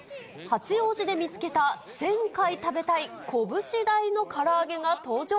八王子で見つけた１０００回食べたい拳大のから揚げが登場。